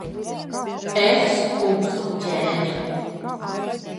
Es, kungs un ķēniņ!